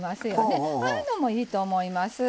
ああいうのもいいと思います。